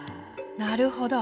なるほど。